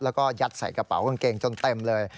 แล้วก็ยัดใส่กระเป๋ากางเกงจนเต็มเลย